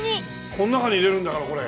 この中に入れるんだからこれ。